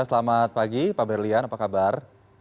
selamat pagi pak berlian apa kabar